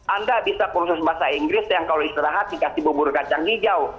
anda bisa kursus bahasa inggris yang kalau istirahat dikasih bubur kacang hijau